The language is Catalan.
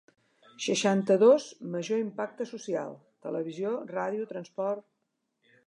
Seixanta-dos major impacte social: televisió, ràdio, transport...